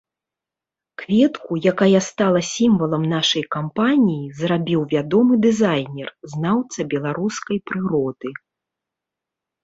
Кветку, якая стала сімвалам нашай кампаніі, зрабіў вядомы дызайнер, знаўца беларускай прыроды.